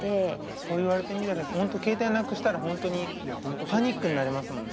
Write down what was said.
そう言われてみたら本当携帯なくしたら本当にパニックになりますもん。